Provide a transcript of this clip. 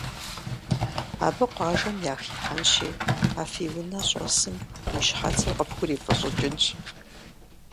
Абы къуажэм яхихьэнщи а фи унэ щӏэсым уи щхьэцыр къыпхурифыщӏыкӏынщ.